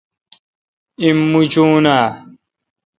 ایم موچون اں؟